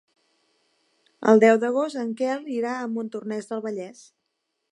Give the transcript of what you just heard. El deu d'agost en Quel irà a Montornès del Vallès.